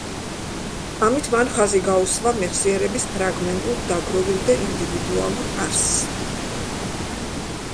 ამით მან ხაზი გაუსვა მეხსიერების ფრაგმენტულ, დაგროვილ და ინდივიდუალურ არსს.